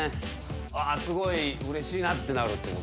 あすごいうれしいなってなる。